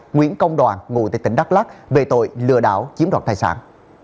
nguyễn công đoàn ngụ tại tỉnh đắk lắc về tội lừa đảo chiếm đoạt tài sản